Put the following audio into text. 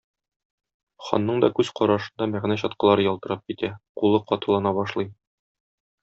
Ханның да күз карашында мәгънә чаткылары ялтырап китә, кулы катылына башлый.